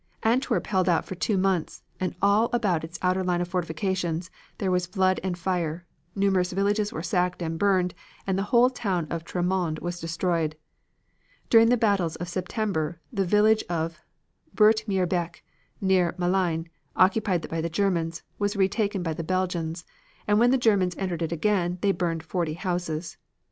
Antwerp held out for two months, and all about its outer line of fortifications there was blood and fire, numerous villages were sacked and burned and the whole town of Termonde was destroyed. During the battles of September the village of Boortmeerbeek near Malines, occupied by the Germans, was retaken by the Belgians, and when the Germans entered it again they burned forty houses.